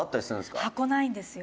綾菜：「箱ないんですよ」